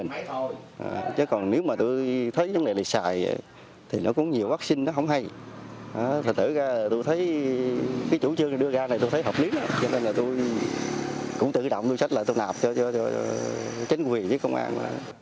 hợp lý lắm cho nên là tôi cũng tự động đưa sách lợi tôm nạp cho chính quyền với công an